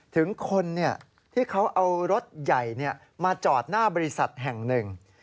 ถึงคนที่เขาเอารถใหญ่มาจอดหน้าบริษัทแห่งหนึ่ง